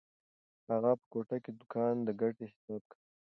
اغا په کوټه کې د دوکان د ګټې حساب کاوه.